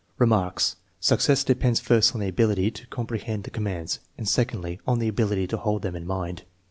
Remarks. Success depends first on the ability to compre hend the commands, and secondly, on the ability to hold them in mind.